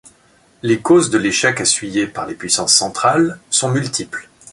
Les causes de l'échec essuyé par les puissances centrales sont multiples.